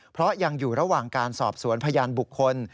เพราะยังอยู่ระหว่างการสอบสวนพยานบุคคล